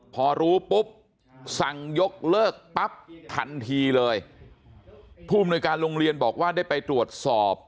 พอรู้ปุ๊บสั่งยกเลิกปั๊บทันทีเลยผู้อำนวยการโรงเรียนบอกว่าได้ไปตรวจสอบ